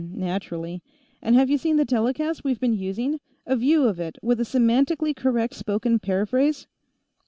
_" "Naturally. And have you seen the telecast we've been using a view of it, with a semantically correct spoken paraphrase?"